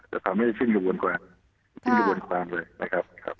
จะทำให้ชิ้นกระบวนความเลยนะครับ